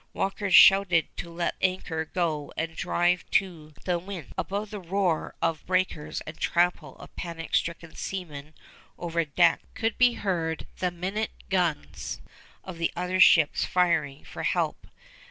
Walker shouted to let the anchor go and drive to the wind. Above the roar of breakers and trample of panic stricken seamen over decks could be heard the minute guns of the other ships firing for help.